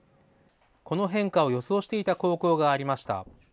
この変化を予想していた高校がありました。